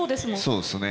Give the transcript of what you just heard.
そうですね。